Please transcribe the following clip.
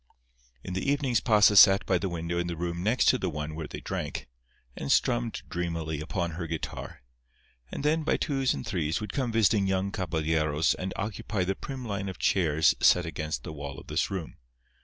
In the evenings Pasa sat by the window in the room next to the one where they drank, and strummed dreamily upon her guitar. And then, by twos and threes, would come visiting young caballeros and occupy the prim line of chairs set against the wall of this room.